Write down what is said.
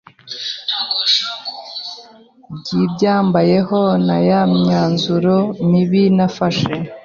by’ibyambayeho na ya myanzuro mibi nafashe